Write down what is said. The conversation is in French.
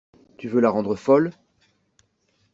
Tu veux la rendre folle?